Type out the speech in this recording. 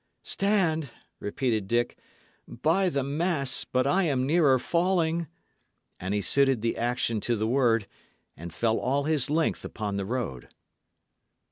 "Stand?" repeated Dick. "By the mass, but I am nearer falling." And he suited the action to the word, and fell all his length upon the road.